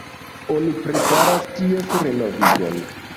Oni preparas ties renovigon.